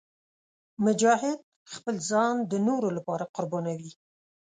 مجاهد خپل ځان د نورو لپاره قربانوي.